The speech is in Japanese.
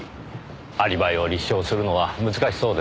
アリバイを立証するのは難しそうですねぇ。